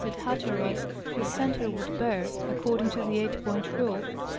at Hatteras the center would bear (according to the 8 point rule) SE.